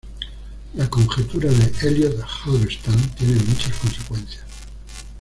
La conjetura de Elliott–Halberstam tiene muchas consecuencias.